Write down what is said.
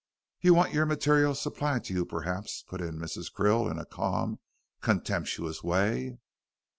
"You want your material supplied to you perhaps," put in Mrs. Krill in a calm, contemptuous way.